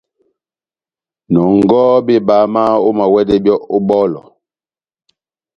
Nɔngɔhɔ bebama, omawɛdɛ byɔ́ ó bɔlɔ.